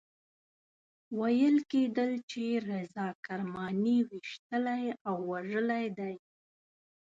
ویل کېدل چې رضا کرماني ویشتلی او وژلی دی.